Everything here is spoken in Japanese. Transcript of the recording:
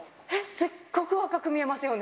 すっごく若く見えますよね。